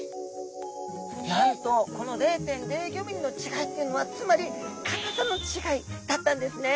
なんとこの０．０５ｍｍの違いっていうのはつまり硬さの違いだったんですね！